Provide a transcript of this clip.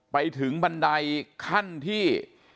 ไปถึงบันไดขั้นที่